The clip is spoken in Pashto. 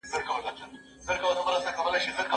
که درس په عملي ډول وښودل سي، شک نه پیدا کېږي.